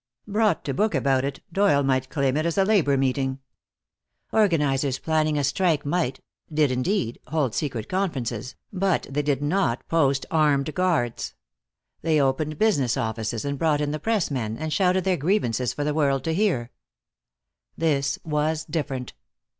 Brought to book about it, Doyle might claim it as a labor meeting. Organizers planning a strike might did indeed hold secret conferences, but they did not post armed guards. They opened business offices, and brought in the press men, and shouted their grievances for the world to hear. This was different.